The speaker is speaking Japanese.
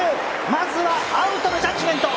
まずはアウトのジャッジメント。